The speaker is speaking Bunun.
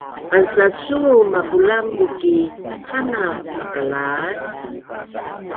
ansasuu mapulanbu’ ki hana pakalaas